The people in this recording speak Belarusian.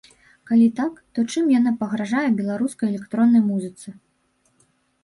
Калі так, то чым яна пагражае беларускай электроннай музыцы?